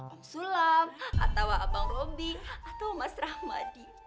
om sulam atau abang robin atau mas rahmadi